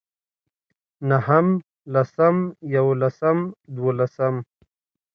نهم لسم يولسم دولسم